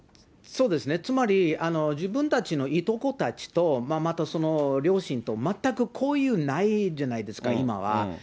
そうですね、つまり、自分たちのいとこたちと、またその両親と、全く交友ないじゃないですか、今は。